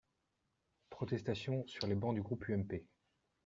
Protestations sur les bancs du groupe UMP.